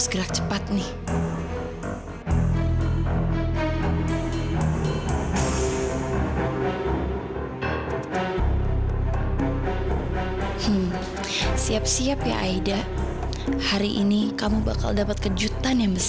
tenang gimana ini semua file penting